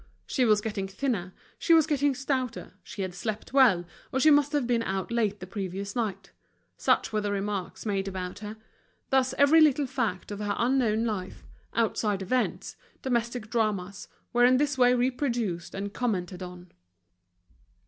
She was getting thinner, she was getting stouter, she had slept well, or she must have been out late the previous night—such were the remarks made about her: thus every little fact of her unknown life, outside events, domestic dramas, were in this way reproduced and commented on.